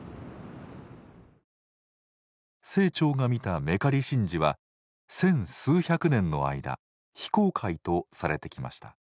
清張が見た和布刈神事は千数百年の間非公開とされてきました。